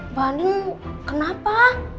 mbak andi kenapa